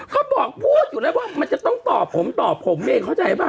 ก็บอกพูดอยู่แล้วว่ามันจะต้องต่อผมต่อผมเองเข้าใจป่ะ